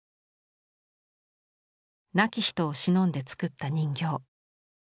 亡き人をしのんで作った人形。